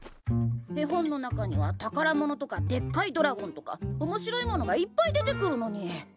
絵本の中には宝物とかでっかいドラゴンとかおもしろいものがいっぱい出てくるのに。